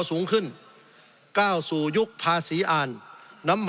สงบจนจะตายหมดแล้วครับ